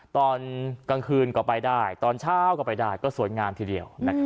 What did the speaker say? ตอนกลางคืนก็ไปได้ตอนเช้าก็ไปได้ก็สวยงามทีเดียว